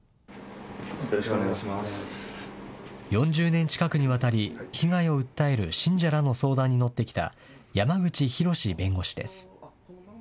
４０年近くにわたり、被害を訴える信者らの相談に乗ってきた山口広弁護士です。